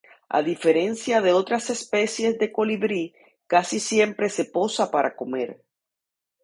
A diferencia de otras especies de colibrí, casi siempre se posa para comer.